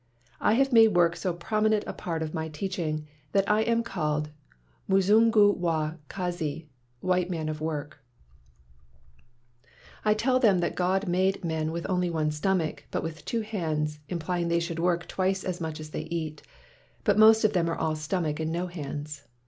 I have made work so prominent a part of my teaching that I am called Muzungu wa Kazi [white man of work]. I tell them that God made men with only one stomach, but with two hands, implying they should work twice as much as they eat. But most of them are all stomach and no hands!